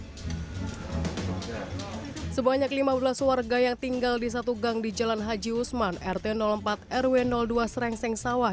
hai sebanyak lima belas warga yang tinggal di satu gang di jalan haji usman rt empat rw dua serengseng sawah